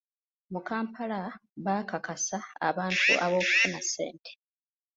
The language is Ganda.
Mu Kampala baakakakasa abantu ab’okufuna ssente.